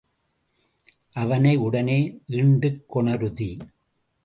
அவனை உடனே ஈண்டுக் கொணருதி.